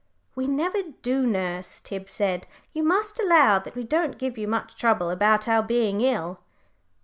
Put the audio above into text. "We never do, nurse," Tib said. "You must allow that we don't give you much trouble about our being ill."